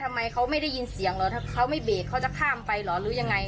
ทำไมเขาไม่ได้ยินเสียงเหรอถ้าเขาไม่เบรกเขาจะข้ามไปเหรอหรือยังไง